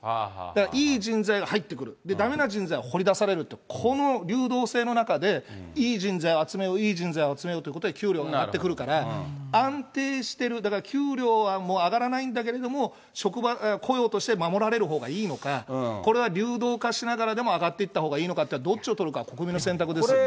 だからいい人材が入ってくる、だめな人材は放り出される、この流動性の中で、いい人材を集めよう、いい人材を集めようということで、給料が上がってくるから、安定してる、だから給料はもう上がらないんだけれども、職場、雇用として守られるほうがいいのか、これは流動化しながらでも上がっていったほうがいいのかって、どっちを取るかって、国民の選択ですよね。